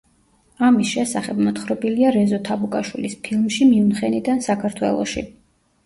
ამის შესახებ მოთხრობილია რეზო თაბუკაშვილის ფილმში „მიუნხენიდან საქართველოში“.